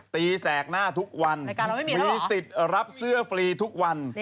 แสกหน้าทุกวันมีสิทธิ์รับเสื้อฟรีทุกวัน